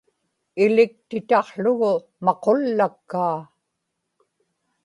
iliktitaqługu maqullakkaa